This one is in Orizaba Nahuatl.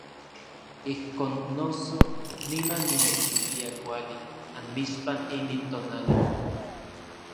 Ijkon noso, niman nimechilia kuali anmixpan inin tonali.